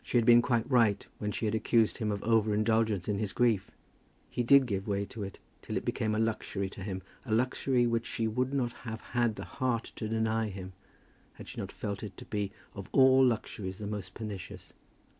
She had been quite right when she had accused him of over indulgence in his grief. He did give way to it till it became a luxury to him, a luxury which she would not have had the heart to deny him, had she not felt it to be of all luxuries the most pernicious.